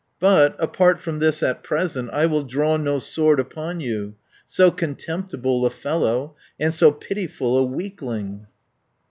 But, apart from this at present, I will draw no sword upon you, So contemptible a fellow, And so pitiful a weakling."